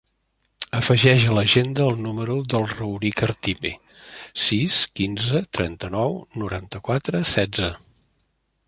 Afegeix a l'agenda el número del Rauric Artime: sis, quinze, trenta-nou, noranta-quatre, setze.